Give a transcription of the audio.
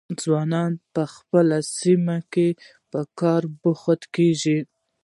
ځوانان په خپلو سیمو کې په کار بوخت کیږي.